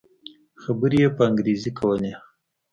خبرې يې په انګريزي کولې.